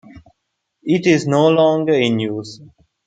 It is no longer in use.